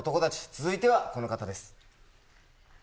続いてはこの方です。